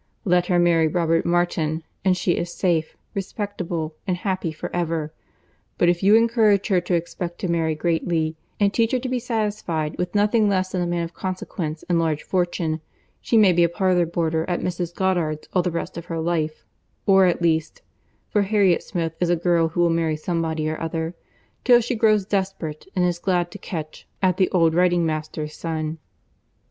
Let her marry Robert Martin, and she is safe, respectable, and happy for ever; but if you encourage her to expect to marry greatly, and teach her to be satisfied with nothing less than a man of consequence and large fortune, she may be a parlour boarder at Mrs. Goddard's all the rest of her life—or, at least, (for Harriet Smith is a girl who will marry somebody or other,) till she grow desperate, and is glad to catch at the old writing master's son."